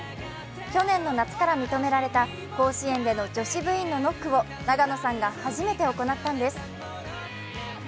去年の夏から認められた甲子園での女子部員のノックを永野さんが初めて行ったんです。